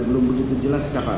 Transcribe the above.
belum begitu jelas kapan